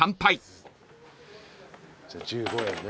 じゃあ１５円ね。